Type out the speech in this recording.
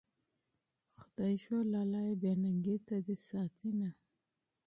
خدايږو لالیه بې ننګۍ ته دي ساتينه